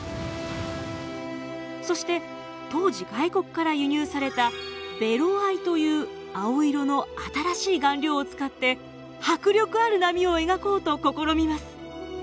そして当時外国から輸入されたベロ藍という青色の新しい顔料を使って迫力ある波を描こうと試みます。